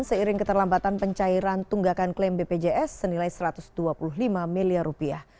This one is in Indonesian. seiring keterlambatan pencairan tunggakan klaim bpjs senilai satu ratus dua puluh lima miliar rupiah